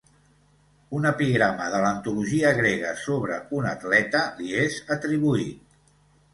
Un epigrama de l'antologia grega sobre un atleta li és atribuït.